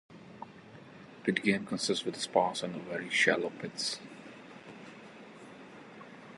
Pygidium consists with sparse and very shallow pits.